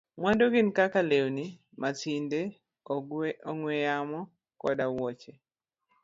Mwandugo gin kaka lewni, masinde, ong'we yamo, koda wuoche.